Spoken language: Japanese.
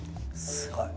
すごい。